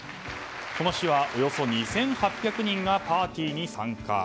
この日はおよそ２８００人がパーティーに参加。